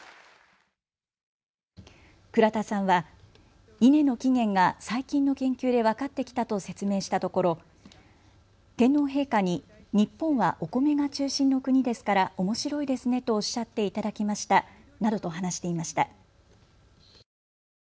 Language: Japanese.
倉田さんはイネの起源が最近の研究で分かってきたと説明したところ天皇陛下に日本はお米が中心の国ですからおもしろいですねとおしゃっていただきましたなどと話していました。